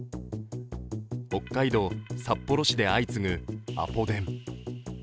北海道札幌市で相次ぐアポ電。